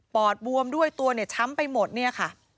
อดบวมด้วยตัวเนี่ยช้ำไปหมดเนี่ยค่ะ